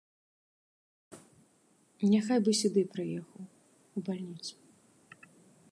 Няхай бы сюды прыехаў, у бальніцу.